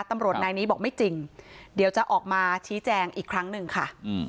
ตำรวจนายนี้บอกไม่จริงเดี๋ยวจะออกมาชี้แจงอีกครั้งหนึ่งค่ะ